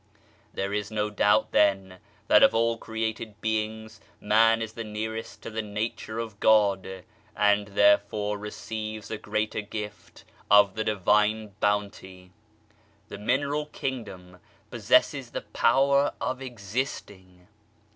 There is no doubt then, that of all created beings Man is the nearest to the Nature of God, and therefore receives a greater gift of the Divine Bounty. The mineral kingdom possesses the power of existing.